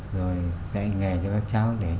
dạy nghề cho các cháu